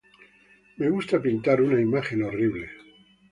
Me gusta pintar una imagen horrible.